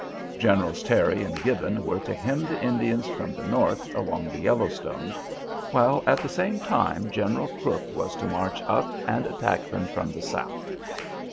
Generals Terry and Gibbon were to hem the Indians from the north along the Yellowstone, while at the same time General Crook was to march up and attack them from the south.